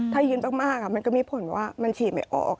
ถ้ายืนมากมันก็มีผลว่ามันฉี่ไม่ออก